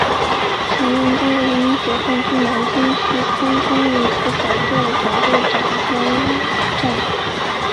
曾任中国人民解放军南京军区空军预科总队总队长兼政委。